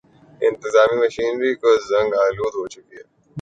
انتظامی مشینری گو زنگ آلود ہو چکی ہے۔